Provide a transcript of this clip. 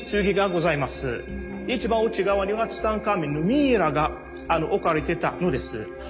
一番内側にはツタンカーメンのミイラが置かれてたのです。